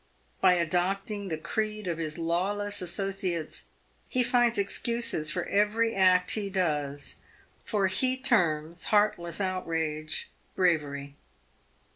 By adopting the creed of his lawless associates, he finds excuses for every act he does, for he terms heartless outrage — bravery.